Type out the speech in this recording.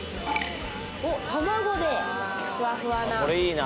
卵でふわふわな。